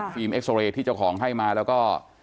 เอ็กซอเรย์ที่เจ้าของให้มาแล้วก็